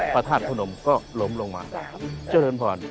พระทาทธะพระนม